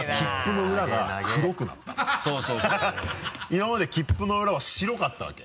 今まで切符の裏は白かったわけ。